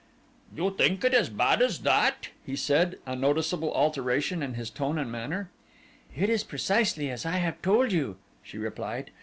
"You think it is as bad as that?" he said, a noticeable alteration in his tone and manner. "It is precisely as I have told you," she replied.